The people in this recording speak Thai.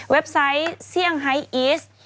เว็บไซต์เซี่ยงไฮทอีสต์